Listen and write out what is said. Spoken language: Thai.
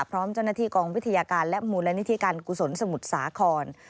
พร้อมเจ้าหน้าที่กองวิทยาการและหมู่และนิทยาการกุศลสมุดสาขอน